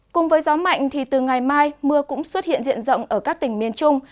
cùng với gió mạnh thì từ ngày mai mưa cũng xuất hiện diện rộng ở các tỉnh miền trung